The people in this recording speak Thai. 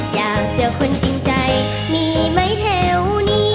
อยากเจอคนจริงใจมีไหมแถวนี้